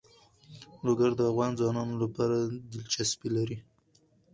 لوگر د افغان ځوانانو لپاره دلچسپي لري.